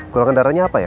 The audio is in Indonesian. golongan darahnya apa ya